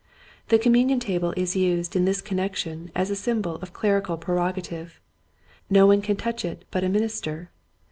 The Communion Table is used in this connec tion as a symbol of clerical prerogative. No one can touch it but a minister.